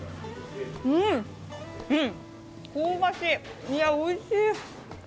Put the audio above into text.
香ばしい、いや、おいしい。